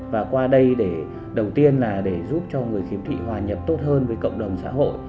và qua đây để đầu tiên là để giúp cho người khiếm thị hòa nhập tốt hơn với cộng đồng xã hội